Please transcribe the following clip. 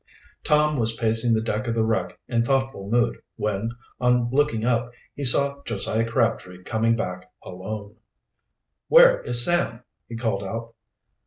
Tom was pacing the deck of the wreck in thoughtful mood when, on looking up, he saw Josiah Crabtree coming back alone. "Where is Sam?" he called out.